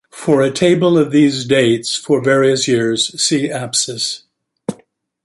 For a table of these dates for various years, see Apsis.